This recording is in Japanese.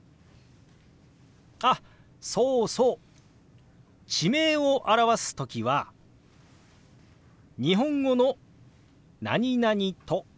あっそうそう地名を表す時は日本語の「何々都」